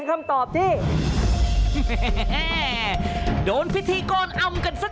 ถ้าตอบถูกในข้อนี้นะครับ